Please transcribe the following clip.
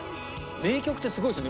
名曲ってすごいですよね。